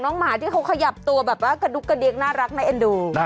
อย่าขับเร็วช้าหน่อย